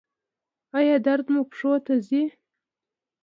ایا درد مو پښو ته ځي؟